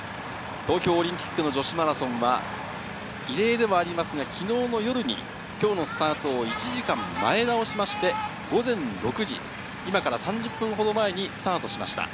東京オリンピックの女子マラソンは、異例ではありますが昨日の夜に今日のスタートを１時間前倒しまして、午前６時、今から３０分ほど前にスタートしました。